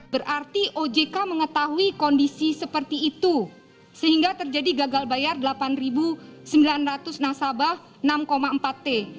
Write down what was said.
berarti ojk mengetahui kondisi seperti itu sehingga terjadi gagal bayar delapan sembilan ratus nasabah enam empat t